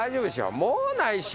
もうないっしょ？